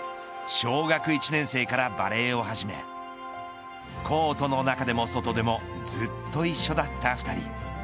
小学１年生からバレーを始めコートの中でも外でもずっと一緒だった２人。